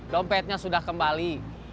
dompetnya sudah kembali